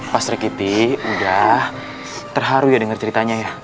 pak srikiti sudah terharu ya dengar ceritanya ya